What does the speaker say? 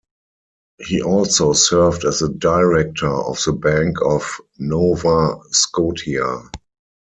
He also served as a director of the Bank of Nova Scotia.